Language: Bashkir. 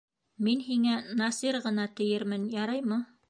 Мин һиңә Насир ғына тиермен, яраймы?